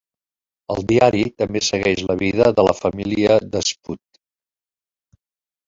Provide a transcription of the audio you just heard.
El diari també segueix la vida de la família de Spud.